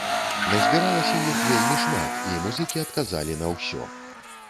Назбіралася іх вельмі шмат, і музыкі адказалі на ўсё.